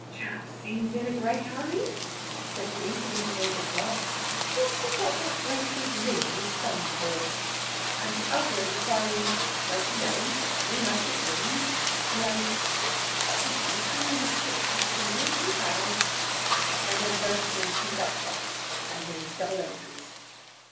"Chap seems in a great hurry!" said he to his neighbour clerk. "What's he got that great big ring on his thumb for?" And the other replying: "Don't you know 'em rheumatic rings?" he added: "Doesn't look a rheumatic customer, anyhow!" And then both of them pinned up cheques, and made double entries.